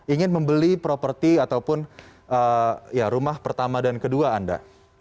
ingin membeli properti ataupun rumah pertama dan kedua anda